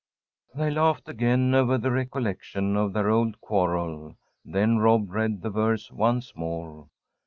They laughed again over the recollection of their old quarrel, then Rob read the verse once more.